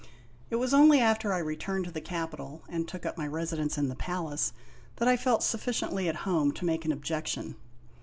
It was only after I returned to the capital and took up my residence in the palace, that I felt sufficiently at home to make an objection.